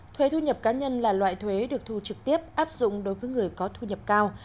thuế thu nhập cá nhân là loại thuế được thu trực tiếp áp dụng đối với người có thu nhập cao